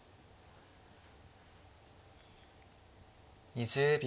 ２０秒。